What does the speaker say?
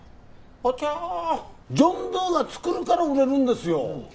あちゃージョン・ドゥが作るから売れるんですよ